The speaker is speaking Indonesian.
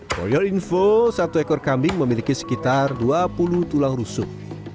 for your info satu ekor kambing memiliki sekitar dua puluh tulang rusuk